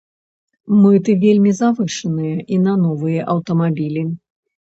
Мыты вельмі завышаныя і на новыя аўтамабілі.